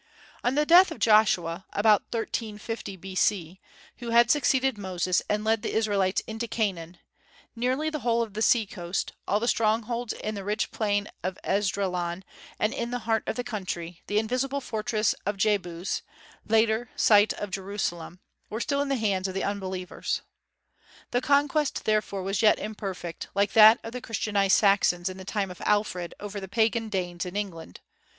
On the death of Joshua (about 1350 B.C.), who had succeeded Moses and led the Israelites into Canaan, "nearly the whole of the sea coast, all the strongholds in the rich plain of Esdraelon, and, in the heart of the country, the invincible fortress of Jebus [later site of Jerusalem], were still in the hands of the unbelievers." The conquest therefore was yet imperfect, like that of the Christianized Saxons in the time of Alfred over the pagan Danes in England.